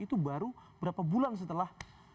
itu baru berapa bulan setelah